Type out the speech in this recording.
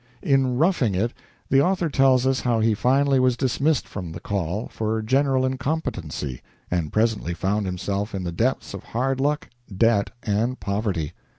In "Roughing It" the author tells us how he finally was dismissed from the "Call" for general incompetency, and presently found himself in the depths of hard luck, debt, and poverty.